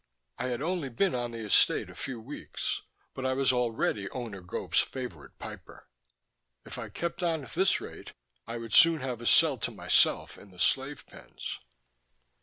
I had only been on the Estate a few weeks, but I was already Owner Gope's favorite piper. If I kept on at this rate, I would soon have a cell to myself in the slave pens.